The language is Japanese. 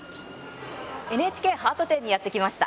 ＮＨＫハート展にやって来ました。